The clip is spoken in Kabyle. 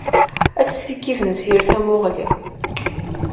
Ad t-ssikiden s yir tamuɣli.